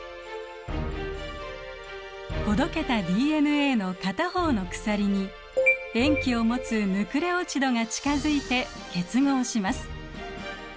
ほどけたＤＮＡの片方の鎖に塩基を持つヌクレオチドが近づいて結合します。